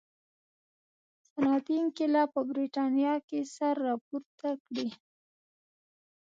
صنعتي انقلاب په برېټانیا کې سر راپورته کړي.